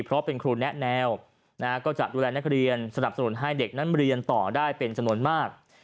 เพราะเป็นครูแนะแนวก็จะดูแลนักเรียนสนับสนุนให้เด็กนั้นเรียนต่อได้เป็นจำนวนมาก